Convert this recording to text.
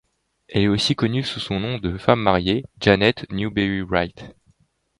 Elle est aussi connue sous son nom de femme mariée, Janet Newberry-Wright.